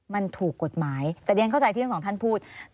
มันถูกกฎหมายแต่เรียนเข้าใจที่ทั้งสองท่านพูด